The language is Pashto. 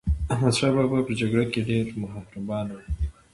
احمدشاه بابا په جګړه کې ډېر مهربان هم و.